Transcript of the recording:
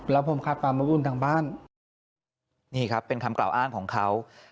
แล้วผมขาดความไม่วุ่นทางบ้านนี่ครับเป็นคำกล่าวอ้างของเขา